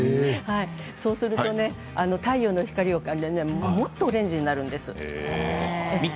そうするとね太陽の光を借りてもっとオレンジになるんです。